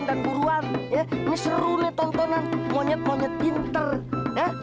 dan buruan ya ini serunya tontonan monyet monyet pinter ya